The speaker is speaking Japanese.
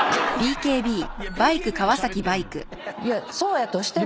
いやそうやとしても。